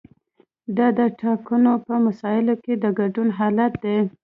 دا د ټاکنو په مسایلو کې د ګډون حالت دی.